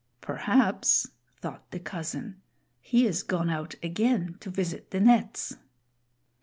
"Perhaps," thought the cousin, "he is gone out again to visit the nets."